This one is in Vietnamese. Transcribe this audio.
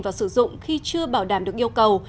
và sử dụng khi chưa bảo đảm được yêu cầu